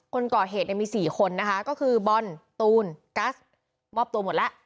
คนก่อเหตุมี๔คนนะคะก็คือบอลตูนกัสมอบตัวหมดแล้ว